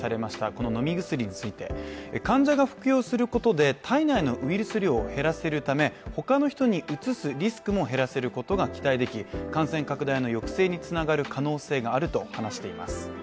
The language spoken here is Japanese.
この飲み薬について患者が服用することで体内のウイルス量を減らせるため他の人にうつすリスクも減らすことが期待でき感染拡大の抑制につながる可能性があると話しています。